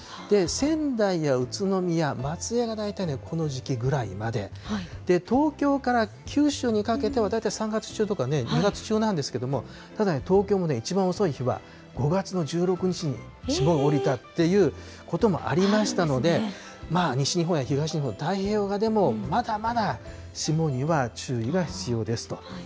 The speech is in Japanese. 仙台や宇都宮、松江が大体この時期ぐらいまで、東京から九州にかけては大体３月中とかね、２月中なんですけれども、ただ、東京も一番遅い日は５月の１６日に霜が降りたっていうこともありましたので、西日本や東日本、太平洋側でもまだまだ霜には注意が必要ですと。